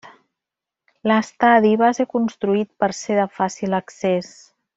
L'estadi va ser construït per ser de fàcil accés.